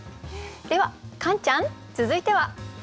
ではカンちゃん続いては。